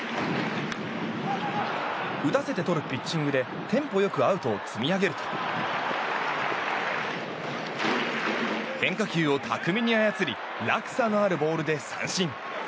打たせてとるピッチングでテンポ良くアウトを積み上げると変化球を巧みに操り落差のあるボールで三振。